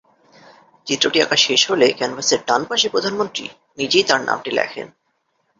চিত্রটি আঁকা শেষ হলে ক্যানভাসের ডান পাশে প্রধানমন্ত্রী নিজেই তাঁর নামটি লেখেন।